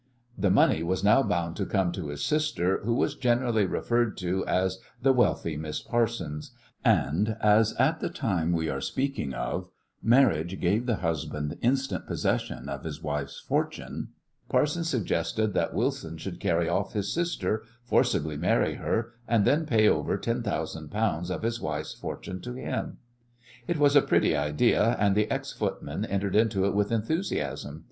The money was now bound to come to his sister, who was generally referred to as the "wealthy Miss Parsons," and, as at the time we are speaking of marriage gave the husband instant possession of his wife's fortune, Parsons suggested that Wilson should carry off his sister, forcibly marry her, and then pay over ten thousand pounds of his wife's fortune to him. It was a pretty idea, and the ex footman entered into it with enthusiasm.